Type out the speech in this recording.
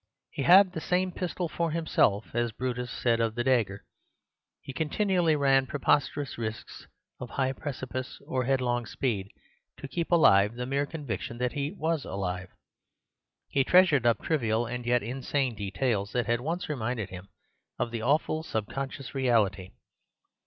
He had the same pistol for himself, as Brutus said of the dagger. He continually ran preposterous risks of high precipice or headlong speed to keep alive the mere conviction that he was alive. He treasured up trivial and yet insane details that had once reminded him of the awful subconscious reality.